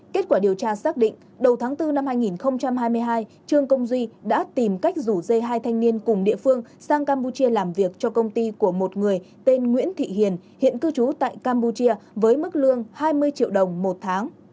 kết quả điều tra xác định đầu tháng bốn năm hai nghìn hai mươi hai trương công duy đã tìm cách rủ dê hai thanh niên cùng địa phương sang campuchia làm việc cho công ty của một người tên nguyễn thị hiền hiện cư trú tại campuchia với mức lương hai mươi triệu đồng một tháng